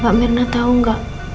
mbak mirna tau gak